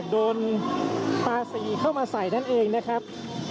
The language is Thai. คุณภูริพัฒน์ครับ